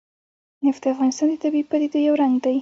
نفت د افغانستان د طبیعي پدیدو یو رنګ دی.